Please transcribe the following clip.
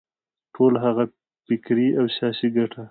ټوله هغه فکري او سیاسي ګټه.